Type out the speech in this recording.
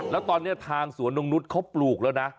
แล้วตอนนี้ทางสวนนกนุษย์เขาปลูกแล้วนะ